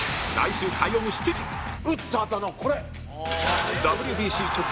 打ったあとのこれ。